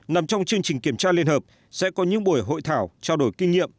nằm trong chương trình kiểm tra liên hợp sẽ có những buổi hội thảo trao đổi kinh nghiệm